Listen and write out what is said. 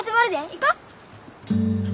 行こう！